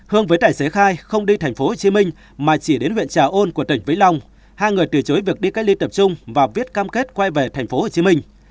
hương với tài xế khai không đi thành phố hồ chí minh mà chỉ đến huyện trà ôn của tỉnh vĩnh long hai người từ chối việc đi cách ly tập trung và viết cam kết quay về thành phố hồ chí minh